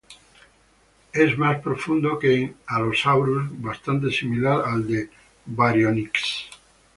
Es más profundo que en "Allosaurus", bastante similar al de "Baryonyx".